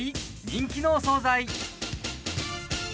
人気のお総菜。